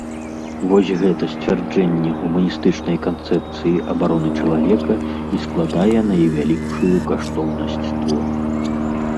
Вось гэта сцвярджэнне гуманістычнай канцэпцыі абароны чалавека і складае найвялікшую каштоўнасць твора.